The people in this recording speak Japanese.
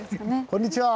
こんにちは。